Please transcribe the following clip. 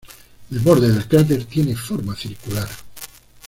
El borde del cráter tiene forma circular.